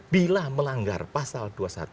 bila melanggar pasal dua ratus dua belas